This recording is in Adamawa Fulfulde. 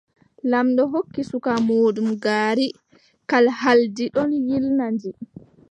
Laamɗo hokki suka muuɗum ngaari kalhaldi ɗon yiilna ndi.